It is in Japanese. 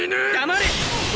黙れ。